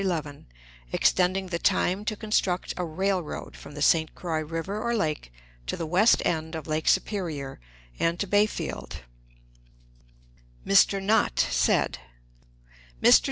11), extending the time to construct a railroad from the St. Croix river or lake to the west end of Lake Superior and to Bayfield Mr. Knott said: MR.